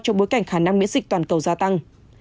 trong bối cảnh khả năng miễn dịch toàn cầu gia tăng